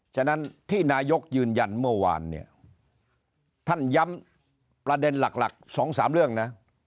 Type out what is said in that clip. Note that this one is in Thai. ฉะนั้นที่นายกยืนยันเมื่อวานเนี่ยท่านย้ำประเด็นหลัก๒๓เรื่องนะ